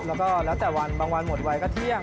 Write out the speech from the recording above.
แล้วก็แล้วแต่วันบางวันหมดวัยก็เที่ยง